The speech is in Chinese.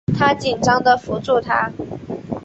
她紧张的扶住她